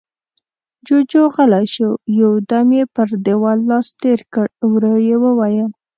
جُوجُو غلی شو، يو دم يې پر دېوال لاس تېر کړ، ورو يې وويل: